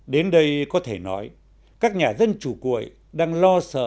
đến đây có thể nói các nhà dân chủ cuội đang lo sợ